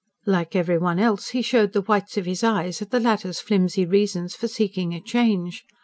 Like every one else he showed the whites of his eyes at the latter's flimsy reasons for seeking a change.